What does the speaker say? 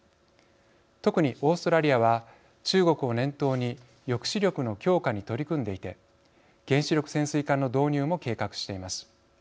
特にオーストラリアは中国を念頭に抑止力の強化に取り組んでいて原子力潜水艦の導入も計画しています。